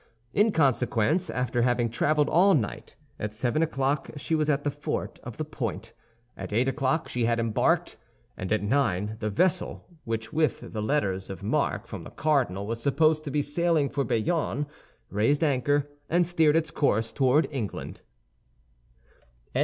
In consequence, after having traveled all night, at seven o'clock she was at the fort of the Point; at eight o'clock she had embarked; and at nine, the vessel, which with letters of marque from the cardinal was supposed to be sailing for Bayonne, raised anchor, and steered its course toward England.